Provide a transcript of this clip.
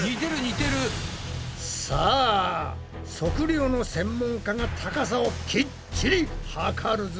さあ測量の専門家が高さをきっちり測るぞ。